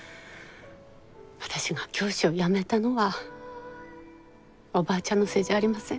私が教師を辞めたのはおばあちゃんのせいじゃありません。